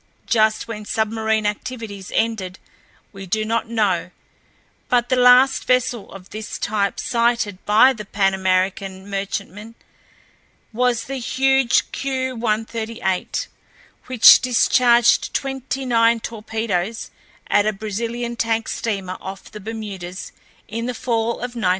Just when submarine activities ended we do not know but the last vessel of this type sighted by a Pan American merchantman was the huge Q 138, which discharged twenty nine torpedoes at a Brazilian tank steamer off the Bermudas in the fall of 1972.